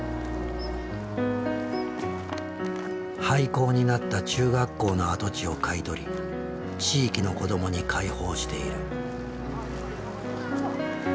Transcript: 廃校になった中学校の跡地を買い取り地域の子どもに開放している。